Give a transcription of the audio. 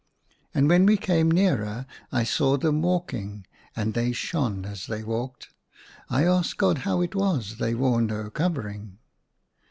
And when we came nearer I saw them walking, and they shone as they walked. I asked God how it was they wore no covering.